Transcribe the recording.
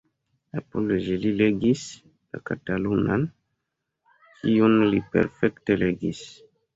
Apud ĝi li legis la katalunan, kiun li perfekte regis.